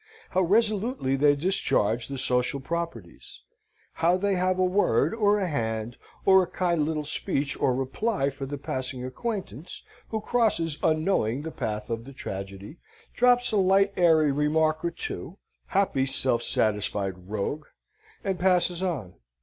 How resolutely they discharge the social proprieties; how they have a word, or a hand, or a kind little speech or reply for the passing acquaintance who crosses unknowing the path of the tragedy, drops a light airy remark or two (happy self satisfied rogue!) and passes on.